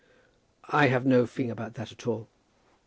"I have no fear about that at all."